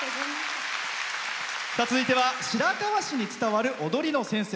続いては白河市に伝わる踊りの先生。